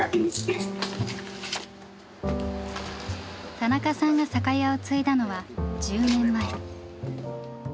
田中さんが酒屋を継いだのは１０年前。